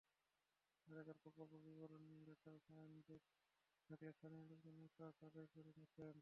এলাকায় প্রকল্প বিবরণী লেখা সাইনবোর্ড থাকলে স্থানীয় লোকজনই কাজ আদায় করে নিতেন।